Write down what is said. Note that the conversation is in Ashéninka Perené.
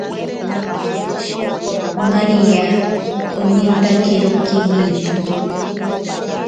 Maríya onintakero kemito.